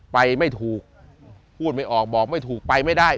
ไปไม่ถูกพูดไม่ออกบอกไม่ถูกไปไม่ได้